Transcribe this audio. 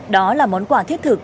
đó là món quà thiết thực